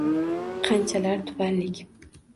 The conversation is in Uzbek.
Qanchalar tubanlik